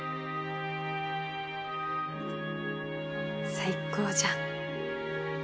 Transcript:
最高じゃん。